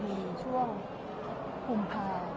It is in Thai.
พี่คิดว่าเข้างานทุกครั้งอยู่หรือเปล่า